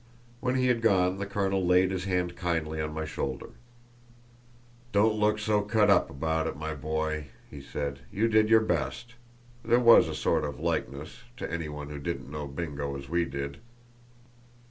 When he had gone the colonel laid his hand kindly on my shoulder. "Don't look so cut up about it, my boy," he said; "you did your best—there was a sort of likeness to any one who didn't know Bingo as we did."